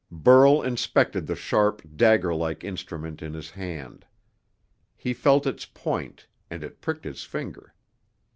Burl inspected the sharp, dagger like instrument in his hand. He felt its point, and it pricked his finger.